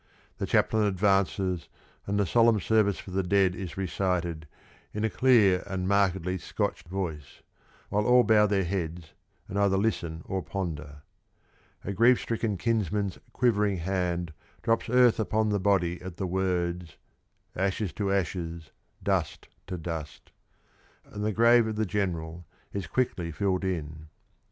The chaplain advances, and the solemn service for the dead is recited in a clear and markedly Scotch voice, while all bow their heads and either listen or ponder. A grief stricken kinsman's quivering hand drops earth upon the body at the words, "Ashes to ashes, dust to dust," and the grave of the General is quickly filled in.